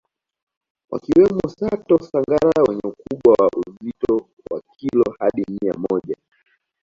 wakiwemo Sato na Sangara wenye ukubwa wa uzito wa kilo hadi mia moja